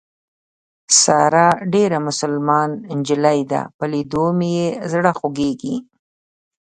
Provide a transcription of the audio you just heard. ساره ډېره مسلمان نجلۍ ده په لیدو مې یې زړه خوږېږي.